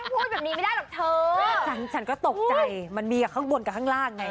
พูดแบบนี้ไม่ได้หรอกเธอฉันก็ตกใจมันมีกับข้างบนกับข้างล่างไง